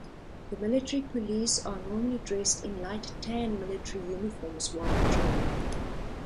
The Military Police are normally dressed in light tan military uniforms while patrolling.